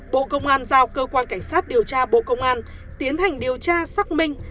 bộ công an giao cơ quan cảnh sát điều tra bộ công an tiến hành điều tra xác minh